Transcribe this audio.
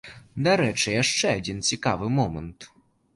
Дарэчы, яшчэ адзін цікавы момант.